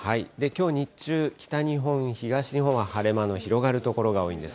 きょう日中、北日本、東日本は晴れ間の広がる所が多いんです。